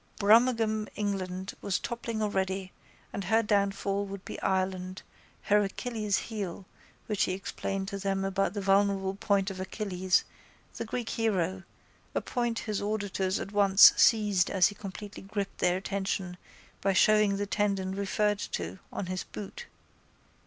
Brummagem England was toppling already and her downfall would be Ireland, her Achilles heel, which he explained to them about the vulnerable point of Achilles, the Greek hero, a point his auditors at once seized as he completely gripped their attention by showing the tendon referred to on his boot.